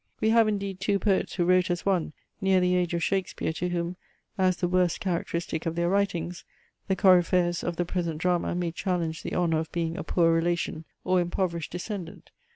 We have indeed two poets who wrote as one, near the age of Shakespeare, to whom, (as the worst characteristic of their writings), the Coryphaeus of the present drama may challenge the honour of being a poor relation, or impoverished descendant.